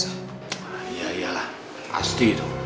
iya iya lah pasti itu